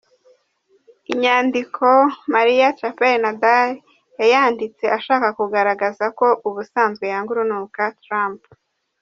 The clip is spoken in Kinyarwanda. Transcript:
Inyandiko Maria Chappelle-Nadal yayanditse ashaka kugaragaza ko ubusanzwe yanga urunuka Trump.